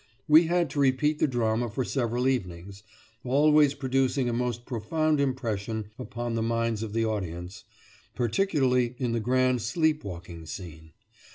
We had to repeat the drama for several evenings, always producing a most profound impression upon the minds of the audience, particularly in the grand sleep walking scene.